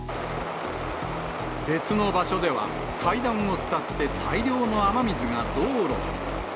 別の場所では、階段を伝って大量の雨水が道路へ。